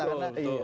ya betul betul